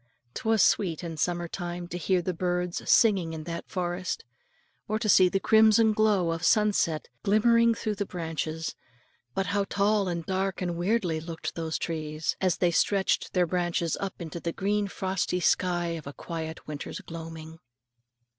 'Twas sweet in summertime to hear the birds singing in that forest, or to see the crimson glow of sunset glimmering through the branches; but how tall and dark and weirdly looked those trees, as they stretched their branches up into the green frosty sky of a quiet winter's gloaming.